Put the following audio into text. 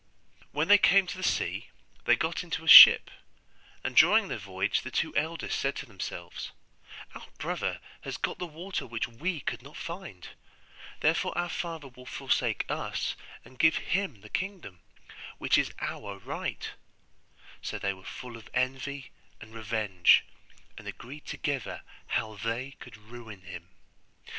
When they came to the sea, they got into a ship and during their voyage the two eldest said to themselves, 'Our brother has got the water which we could not find, therefore our father will forsake us and give him the kingdom, which is our right'; so they were full of envy and revenge, and agreed together how they could ruin him.